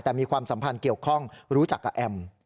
แต่มีความสัมพันธ์เกี่ยวข้องรู้จักกับแอม